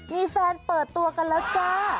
มีแฟนเปิดตัวกันแล้วจ้า